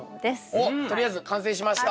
おっとりあえず完成しました！